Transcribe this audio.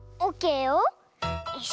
よし。